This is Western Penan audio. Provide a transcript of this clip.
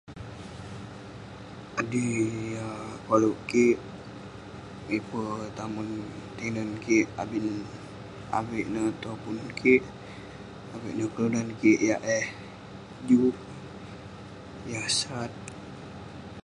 Adui yah koluk kik, miper tamen tinen kik abin avik neh topun kik, avik neh kelunan kik yah eh juk, yah sat.